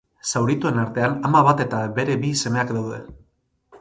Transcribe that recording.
Zaurituen artean ama bat eta bere bi semeak daude.